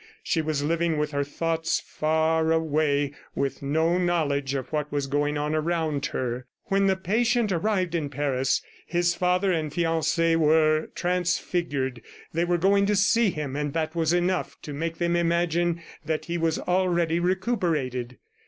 She was living with her thoughts far away, with no knowledge of what was going on around her. When the patient arrived in Paris, his father and fiancee were transfigured. They were going to see him, and that was enough to make them imagine that he was already recuperated.